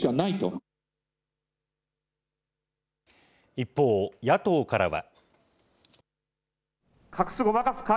一方、野党からは。